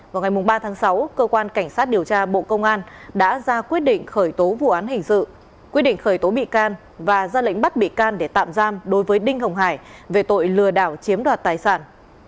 vào ngày ba tháng sáu cơ quan cảnh sát điều tra bộ công an đã ra quyết định khởi tố vụ án hình sự quyết định khởi tố bị can và ra lệnh bắt bị can để tạm giam đối với đinh hồng hải về tội lừa đảo chiếm đoạt tài sản